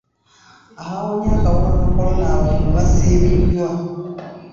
Abaawonye akawuka ka kolona abatono basiimiddwa.